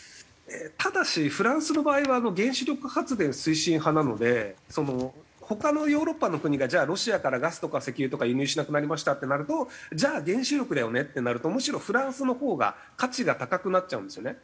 ただしフランスの場合は原子力発電推進派なので他のヨーロッパの国がじゃあロシアからガスとか石油とか輸入しなくなりましたってなるとじゃあ原子力だよねってなるとむしろフランスのほうが価値が高くなっちゃうんですよね。